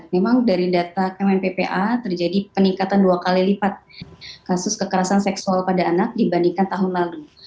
memang dari data kemen ppa terjadi peningkatan dua kali lipat kasus kekerasan seksual pada anak dibandingkan tahun lalu